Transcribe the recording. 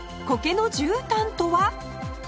苔のじゅうたんとは？